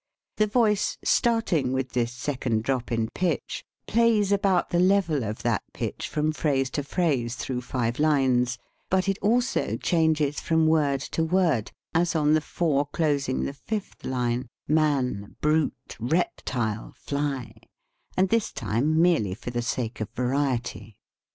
The voice starting with this second drop in pitch, plays about the level of that pitch from phrase to phrase through five lines, but it also changes from word to word, as on the four closing the fifth line, "Man, brute, reptile, fly," and this time merely for the sake of variety.